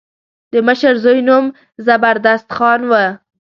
د مشر زوی نوم زبردست خان و.